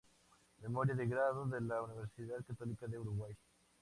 Memoria de grado de la Universidad Católica del Uruguay.